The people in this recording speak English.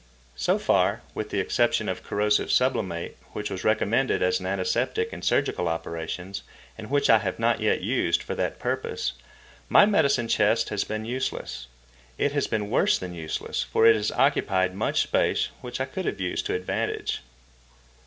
So far, with the exception of corrosive sublimate (which was recommended as an antiseptic in surgical operations, and which I have not yet used for that purpose), my medicine chest has been useless. It has been worse than useless, for it has occupied much space which I could have used to advantage.